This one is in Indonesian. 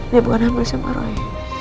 dia bukan hamil sama roy